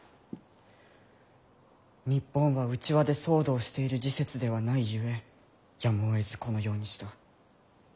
「日本は内輪で騒動をしている時節ではないゆえやむをえずこのようにした。